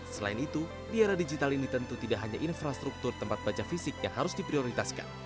selain itu di era digital ini tentu tidak hanya infrastruktur tempat baca fisik yang harus diprioritaskan